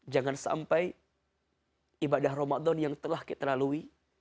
jangan sampai ibadah ramadan yang telah kita lalui